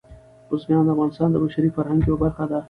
بزګان د افغانستان د بشري فرهنګ یوه برخه ده.